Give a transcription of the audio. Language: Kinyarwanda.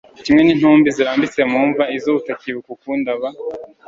kimwe n'intumbi zirambitse mu mva, izo utacyibuka ukundiaba